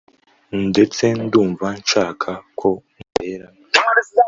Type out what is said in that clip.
ndetse ndumva nshaka ko umbera